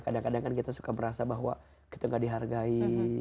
kadang kadang kan kita suka merasa bahwa kita gak dihargai